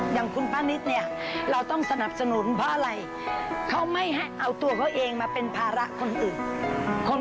อย่างคุณป้านิตเนี่ยเราต้องสนับสนุนเพราะอะไรเขาไม่ให้เอาตัวเขาเองมาเป็นภาระคนอื่น